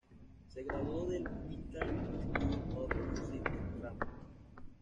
Se graduó del Guildhall School of Music and Drama.